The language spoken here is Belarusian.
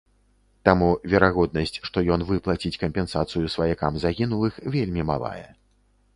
Таму верагоднасць, што ён выплаціць кампенсацыю сваякам загінулых, вельмі малая.